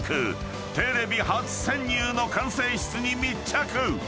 テレビ初潜入の管制室に密着。